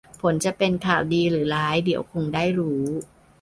ผลจะเป็นข่าวดีหรือร้ายเดี๋ยวคงได้รู้